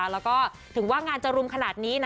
แล้วก็ถึงว่างานจะรุมขนาดนี้นะ